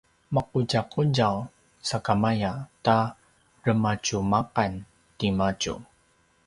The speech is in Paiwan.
maqutjaqutjav sakamaya ta rematjumaqan timadju